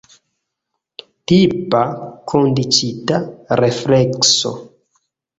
Tipa kondiĉita reflekso.